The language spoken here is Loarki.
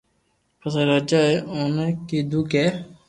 پسي راجا اي اوني ڪآدو ڪي